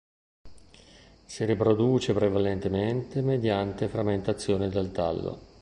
Si riproduce prevalentemente mediante frammentazione del tallo.